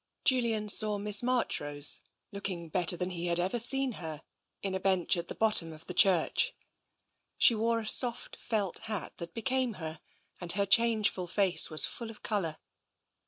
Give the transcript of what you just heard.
Julian saw Miss Marchrose, looking better than he had ever seen her, in a bench at the bottom of the church. She wore a soft felt hat that became her, and her changeful face was full of colour.